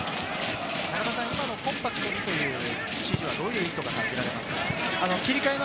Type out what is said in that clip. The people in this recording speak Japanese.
今の「コンパクトに」という指示はどういうふうな意図が感じられますか？